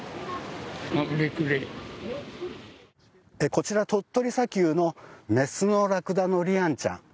こちら、鳥取砂丘の雌のラクダのリアンちゃん。